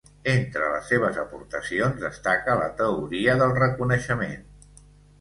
Entre les seves aportacions destaca la Teoria del reconeixement.